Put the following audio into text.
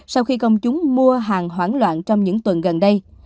sau khi công chúng mua hàng hoãn loạn trong những tuần gần đây